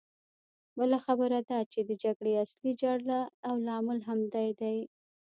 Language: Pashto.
بله خبره دا چې د جګړې اصلي جرړه او لامل همدی دی.